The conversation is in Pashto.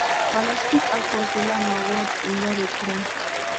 پلاستیک، او فاضله مواد لرې کړي.